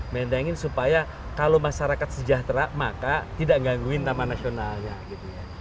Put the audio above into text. mentengin supaya kalau masyarakat sejahtera maka tidak gangguin taman nasionalnya gitu ya